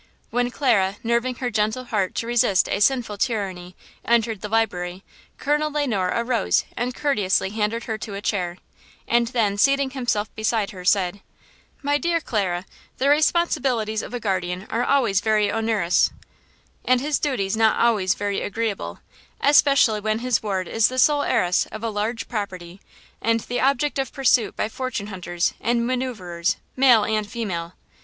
When Clara, nerving her gentle heart to resist a sinful tyranny, entered the library, Colonel Le Noir arose and courteously handed her to a chair, and then, seating himself beside her, said: "My dear Clara, the responsibilities of a guardian are always very onerous, and his duties not always very agreeable, especially when his ward is the sole heiress of a large property and the object of pursuit by fortune hunters and maneuverers, male and female.